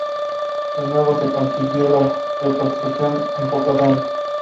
De nuevo se consiguió la reconstrucción en pocos años.